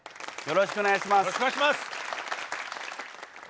よろしくお願いします。